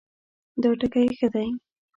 دا ټکی ښه دی